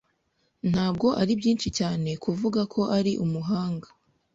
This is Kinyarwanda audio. Ntabwo ari byinshi cyane kuvuga ko ari umuhanga.